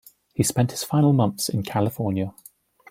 He spent his final months in California.